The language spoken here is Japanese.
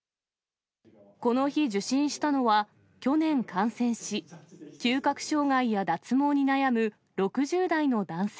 この日、受診したのは、去年感染し、嗅覚障害や脱毛に悩む６０代の男性。